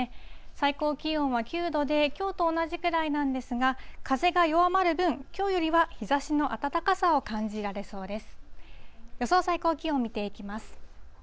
最高気温は９度できょうと同じくらいなんですが、風が弱まる分、きょうよりは日ざしの暖かさを感じられそうです。